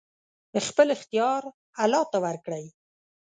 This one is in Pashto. خپل اختيار الله ته ورکړئ!